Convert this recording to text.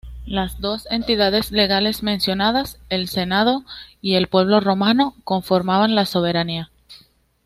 Las dos entidades legales mencionadas, el senado y el pueblo romano, conformaban la soberanía.